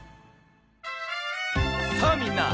さあみんな！